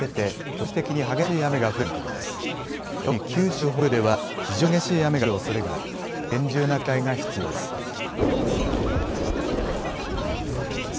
特に九州北部では非常に激しい雨が降るおそれがあり厳重な警戒が必要です。